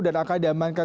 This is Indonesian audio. dan akan diamankan